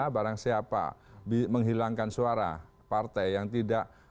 barang siapa menghilangkan suara partai yang tidak